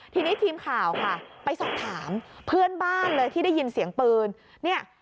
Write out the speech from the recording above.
ทีนี้ทีมข่าวค่ะไปสอบถามเพื่อนบ้านเลยที่ได้ยินเสียงปืนเนี่ย